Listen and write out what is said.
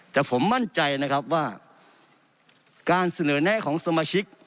แต่ผมมั่นใจนะครับว่าการเสนอแน่ของสมาชิก